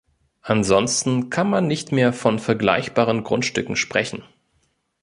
Ansonsten kann man nicht mehr von vergleichbaren Grundstücken sprechen.